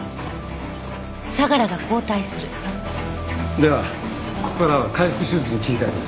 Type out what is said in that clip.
ではここからは開腹手術に切り替えます。